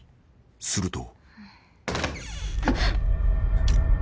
［すると］